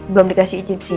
belum dikasih izin sih